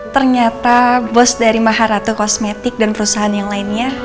ternyata bos dari maharato kosmetik dan perusahaan yang lainnya